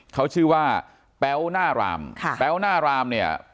เขาชื่อว่าแป๊วหน้ารามค่ะแป๊วหน้ารามเนี่ย